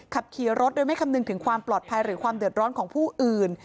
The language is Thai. ขับขี่รถโดยไม่คำนึงถึงความปลอดภัยหรือความเดือดร้อนของผู้อื่น